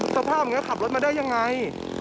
สภาพขับรถมาได้ยังไง